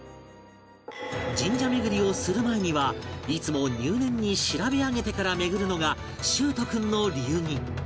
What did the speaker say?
神社巡りをする前にはいつも入念に調べ上げてから巡るのが秀斗君の流儀